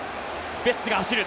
ベッツが走る。